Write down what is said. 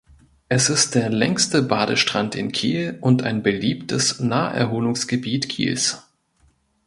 Er ist der längste Badestrand in Kiel und ein beliebtes Naherholungsgebiet Kiels.